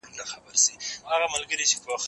هغه څوک چي لاس مينځي روغ وي!.